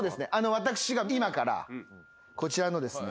私が今からこちらのですね。